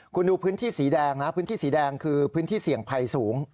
คุณดูพื้นที่สีแดงนะพื้นที่สีแดงคือพื้นที่เสี่ยงภัยสูง